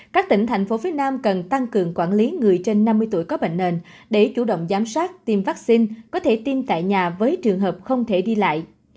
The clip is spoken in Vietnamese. các tỉnh thành phố phía nam cần tăng cường quản lý người trên năm mươi tuổi có bệnh nền để chủ động giám sát tiêm vaccine có thể tiêm tại nhà với trường hợp không thể đi lại